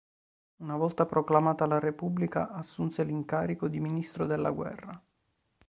Una volta proclamata la Repubblica, assunse l'incarico di Ministro della guerra.